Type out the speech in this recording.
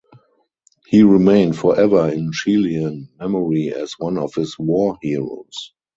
He remained forever in Chilean memory as one of his war heroes.